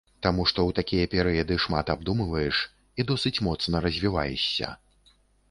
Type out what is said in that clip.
Таму што ў такія перыяды шмат абдумваеш і досыць моцна развіваешся.